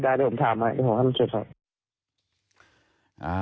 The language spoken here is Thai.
ได้ผมถาม